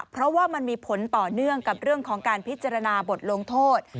เพราะว่ามันมีผลต่อเนื่องกับเรื่องของการพิจารณาบทลงโทษ